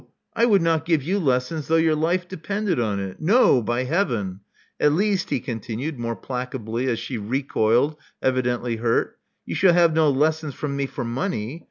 I would not give you lessons though your life depended on it. No, by Heaven! At least,*' he continued, more placably, as she recoiled, evidently hurt, you shall have no lessons from me for money.